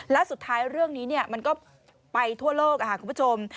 และสุดท้ายเรื่องนี้มันก็ไปทั่วโลกคุณผู้ชม